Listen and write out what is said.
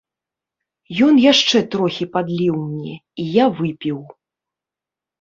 Ён яшчэ трохі падліў мне, і я выпіў.